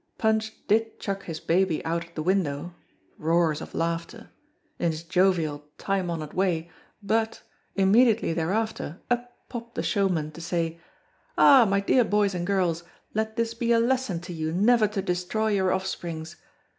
Punch did chuck his baby out at the window (roars of laughter) in his jovial time honored way, but immediately thereafter up popped the showman to say, "Ah, my dear boys and girls, let this be a lesson to you never to destroy your offsprings.